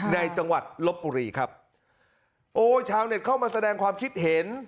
ในจังหวัดลบบุรีครับโอ้ชาวเน็ตเข้ามาแสดงความคิดเห็น